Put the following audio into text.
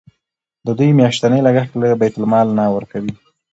د دوی میاشتنی لګښت له بیت المال نه ورکوئ.